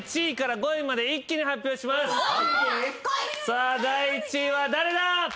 さあ第１位は誰だ！？